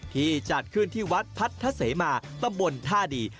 ที่จัดขึ้นที่วัดพัทธเสมาตำบลท่าดี